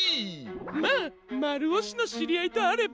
まあまるおしのしりあいとあれば。